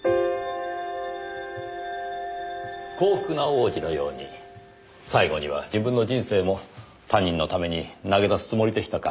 『幸福な王子』のように最後には自分の人生も他人のために投げ出すつもりでしたか。